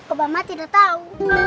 obama tidak tahu